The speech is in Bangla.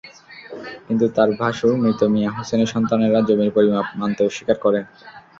কিন্তু তাঁর ভাশুর মৃত মিয়া হোসেনের সন্তানেরা জমির পরিমাপ মানতে অস্বীকার করেন।